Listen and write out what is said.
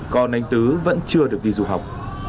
con anh tứ vẫn chưa được đi du học